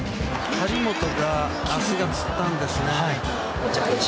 張本が、足がつったんですね。